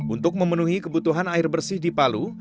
untuk memenuhi kebutuhan air bersih di palu